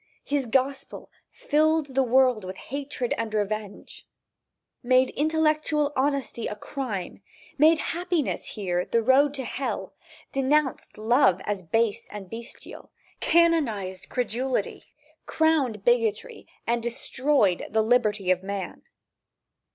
His gospel filled the world with hatred and revenge; made intellectual honesty a crime; made happiness here the road to hell, denounced love as base and bestial, canonized credulity, crowned bigotry and destroyed the liberty of man.